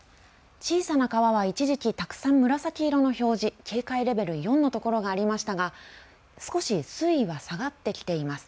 小さな川は一時期たくさん紫色の表示警戒レベル４のところがありましたが少し水位は下がってきています。